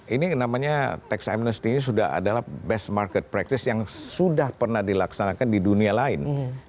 ini namanya tax amnesty ini sudah adalah best market practice yang sudah pernah dilaksanakan di dunia lain